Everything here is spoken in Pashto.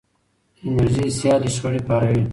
انرژي سیالۍ شخړې پاروي.